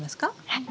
はい。